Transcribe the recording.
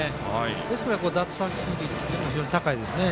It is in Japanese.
ですから、奪三振率っていうのも非常に高いですね。